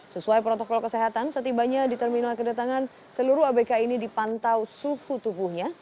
sesuai protokol kesehatan setibanya di terminal kedatangan seluruh abk ini dipantau suhu tubuhnya